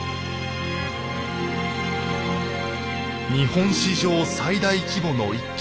日本史上最大規模の一揆